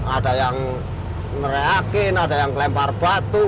ada yang ngereakin ada yang kelempar batu